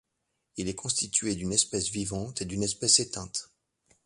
Il est constitué d'une espèce vivante et d'une espèce éteinte.